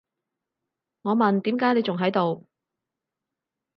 我問，點解你仲喺度？